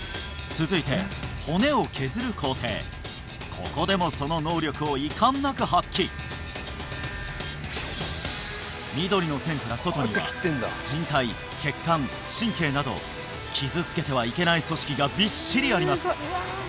ここでもその能力を遺憾なく発揮緑の線から外にはじん帯血管神経など傷つけてはいけない組織がびっしりあります